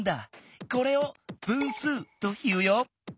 これを「分数」というよ。